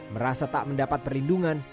merasa tak mendapat perlindungan